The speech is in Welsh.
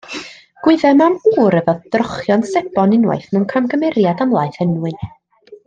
Gwyddem am ŵr yfodd drochion sebon unwaith mewn camgymeriad am laeth enwyn.